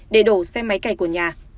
để đổ xe máy cày của nhà